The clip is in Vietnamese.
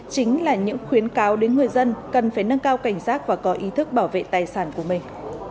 chính là những khuyến cáo đến người dân cần phải nâng cao cảnh giác và có ý thức bảo vệ tài sản của mình